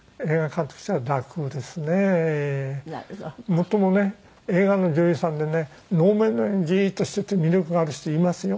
もっともね映画の女優さんでね能面のようにじーっとしてて魅力がある人いますよ。